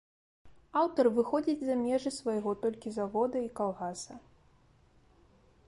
Аўтар выходзіць за межы свайго толькі завода і калгаса.